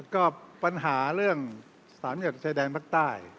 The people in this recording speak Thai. ก็ปัญหาเรื่องสามเหลี่ยชายแดนภาคใต้